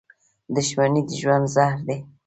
• دښمني د ژوند زهر دي.